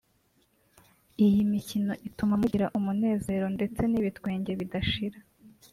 iyi mikino ituma mugira umunezero ndetse n’ibitwenge bidashira